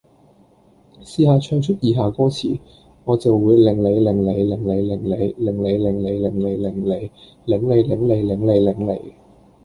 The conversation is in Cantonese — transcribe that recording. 試吓唱出以下歌詞：我就會令你令你令您令您，令妳令妳令你令你，擰你擰你擰你擰你！